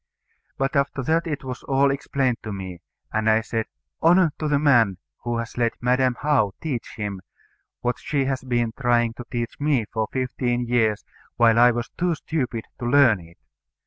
But after that it was all explained to me; and I said, "Honour to the man who has let Madam How teach him what she had been trying to teach me for fifteen years, while I was too stupid to learn it.